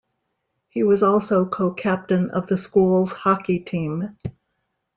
He was also co-captain of the school's hockey team.